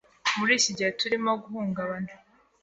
Muri iki gihe turimo guhungabana.